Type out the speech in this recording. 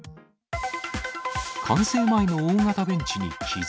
完成前の大型ベンチに傷。